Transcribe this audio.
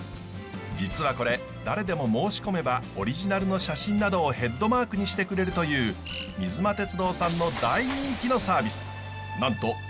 実はこれ誰でも申し込めばオリジナルの写真などをヘッドマークにしてくれるという水間鉄道さんの大人気のサービス。